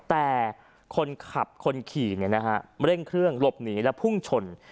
แต่คนขับคนขี่เนี่ยนะฮะเร่งเครื่องหลบหนีแล้วพุ่งชน